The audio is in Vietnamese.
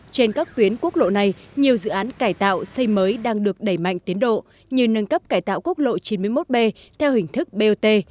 trên các tuyến quốc lộ này nhiều dự án cải tạo xây mới đang được đẩy mạnh tiến độ như nâng cấp cải tạo quốc lộ chín mươi một b theo hình thức bot